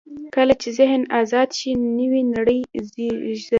کله چې ذهن آزاد شي، نوې نړۍ زېږي.